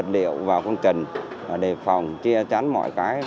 đều vào công trình để phòng chia chắn mọi cái